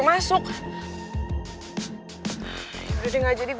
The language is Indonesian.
masuk kuliah dulu